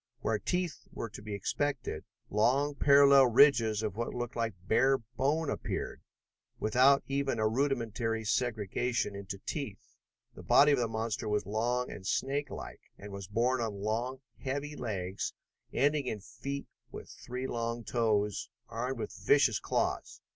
Where teeth were to be expected, long parallel ridges of what looked like bare bone, appeared, without even a rudimentary segregation into teeth. The body of the monster was long and snakelike, and was borne on long, heavy legs ending in feet with three long toes, armed with vicious claws.